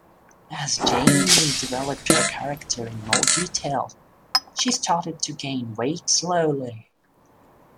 As Jaime developed her character in more detail, she started to gain weight slowly.